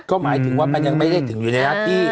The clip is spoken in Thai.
ก็หมายถึงว่ามันยังไม่ได้ถึงอยู่ในหน้าที่